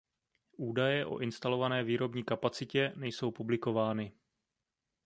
Údaje o instalované výrobní kapacitě nejsou publikovány.